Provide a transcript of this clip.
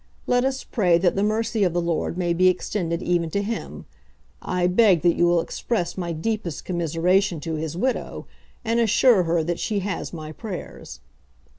Let us pray that the mercy of the Lord may be extended even to him. I beg that you will express my deepest commiseration to his widow, and assure her that she has my prayers.